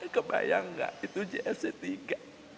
kebayang nggak itu jsc tiga